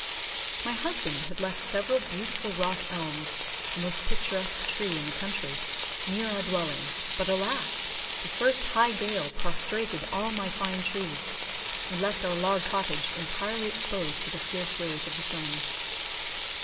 My husband had left several beautiful rock elms (the most picturesque tree in the country) near our dwelling, but alas! the first high gale prostrated all my fine trees, and left our log cottage entirely exposed to the fierce rays of the sun.